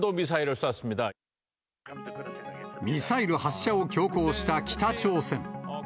ミサイル発射を強行した北朝鮮。